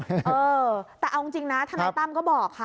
เออแต่เอาจริงนะทนายตั้มก็บอกค่ะ